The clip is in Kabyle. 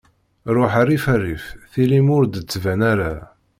Ruḥ rrif rrif, tili-m ur d-ttban ara.